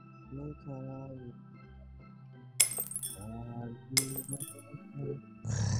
সবাই জানে একজন সত্যিকার বিচক্ষণ লোকের ওপরেই কাজটার ভার পড়েছে।